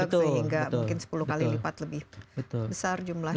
sehingga mungkin sepuluh kali lipat lebih besar jumlahnya